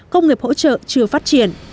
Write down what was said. công nghiệp hỗ trợ chưa phát triển